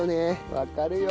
わかるよ。